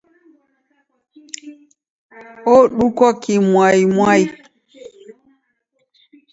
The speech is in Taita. Odukwa kimwaimwai!